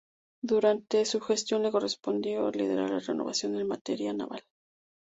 Durante su gestión le correspondió liderar la renovación del material naval.